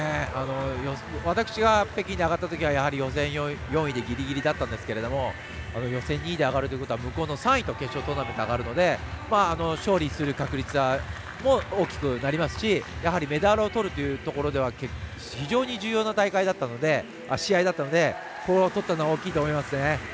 私が北京で上がったときは予選４位でぎりぎりだったんですけども予選２位で上がるということは向こうの３位と決勝トーナメント上がるので勝利する確率も大きくなりますしメダルを取るというところでは非常に重要な大会だったので試合だったのでここを取ったのは大きいと思いますね。